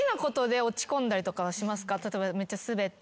例えばめっちゃスベった日とか。